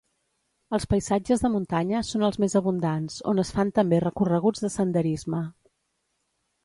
Els paisatges de muntanya són els més abundants, on es fan també recorreguts de senderisme.